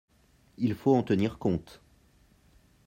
Il faut en tenir compte.